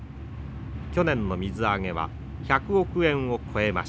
去年の水揚げは１００億円を超えました。